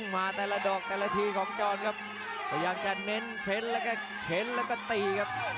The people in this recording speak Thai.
มาแต่ละดอกแต่ละทีของจรครับพยายามจะเน้นเข้นแล้วก็เข็นแล้วก็ตีครับ